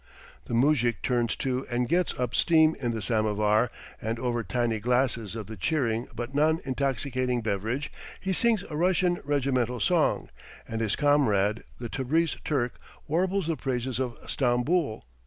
The moujik turns to and gets up steam in the samovar, and over tiny glasses of the cheering but non intoxicating beverage, he sings a Russian regimental song, and his comrade, the Tabreez Turk, warbles the praises of Stamboul.